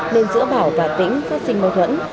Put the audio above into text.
nên giữa bảo và tĩnh phát sinh mâu thuẫn